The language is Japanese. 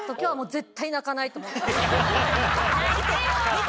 泣いてよ